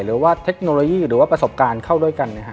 หรือว่าเทคโนโลยีหรือว่าประสบการณ์เข้าด้วยกัน